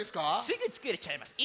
すぐつくれちゃいます。